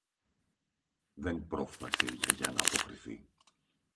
Δεν πρόφθασε η Γιαγιά ν' αποκριθεί